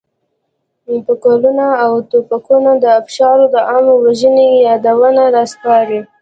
پکولونه او توپکونو د ابشارو د عامه وژنې یادونه راسپړله.